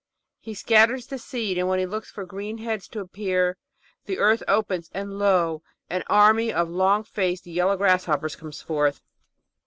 "He scatters the seed, and when he looks for green heads to appear, the earth opens, and, lo, an army of long faced, yellow grasshoppers come forth!"